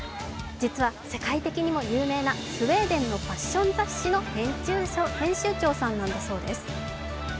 実は、世界的にも有名なスウェーデンのファッション雑誌の編集長さんなんだそうです。